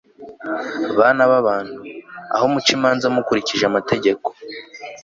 bana b'abantu, aho muca imanza mukurikije amategeko